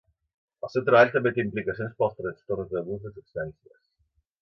El seu treball també té implicacions per als trastorns d"abús de substàncies.